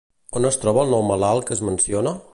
On es troba el nou malalt que es menciona?